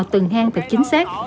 từng hang thật chính xác